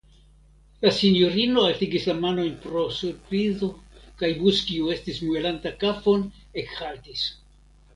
La sinjorino altigis la manojn pro surprizo, kaj Bus, kiu estis muelanta kafon, ekhaltis.